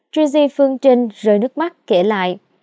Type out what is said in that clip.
trizi phương trinh rơi nước mắt kể lại